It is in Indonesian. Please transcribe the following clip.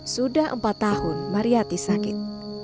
sudah empat tahun mariyati sakit